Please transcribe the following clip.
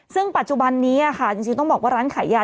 ซึ่งปัจจุบันนี้ค่ะจริงต้องบอกว่าร้านขายยา